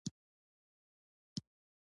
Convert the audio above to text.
پیشو مې خپل سیوری تعقیبوي.